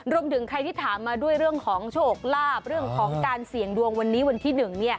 รวมถึงใครที่ถามมาด้วยเรื่องของโชคลาภเรื่องของการเสี่ยงดวงวันนี้วันที่๑